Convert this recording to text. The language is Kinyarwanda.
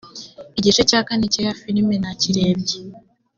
igice cya kane cya ya filime nakirebye